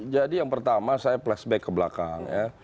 jadi yang pertama saya flashback ke belakang ya